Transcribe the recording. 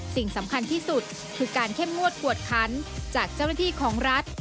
สิ่งสำคัญที่สุดคือการเข้มงวดกวดคันจากเจ้าหน้าที่ของรัฐ